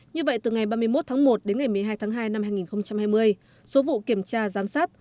như vậy từ ngày ba mươi một tháng một đến ngày một mươi hai tháng hai năm hai nghìn hai mươi số vụ kiểm tra giám sát